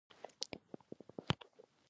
زه به هيڅکله تا ونه بخښم.